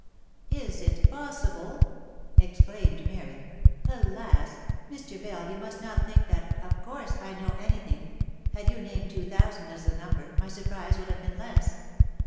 " Is it possible ?" exclaimed Mary. " Alas ! Mr. Bell you must not think that ' of course I know any thing — had you named two thousand as the number, my surprise would have been less."